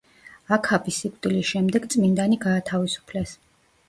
აქაბის სიკვდილის შემდეგ წმინდანი გაათავისუფლეს.